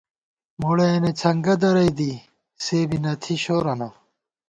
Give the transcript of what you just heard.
مُڑَیَہ نِڅھنگہ درَئی دی سےبی نہ تھی شورَنہ